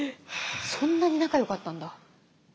そんなに仲よかったんだ。